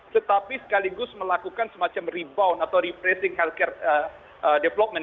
tetapi sekaligus melakukan semacam rebound atau repressing healthcare development